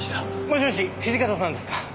もしもし土方さんですか？